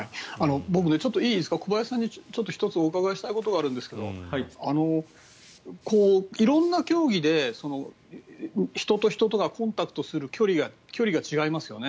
僕、小林さんに１つお伺いしたいことがあるんですが色んな競技で人と人とがコンタクトする距離が違いますよね。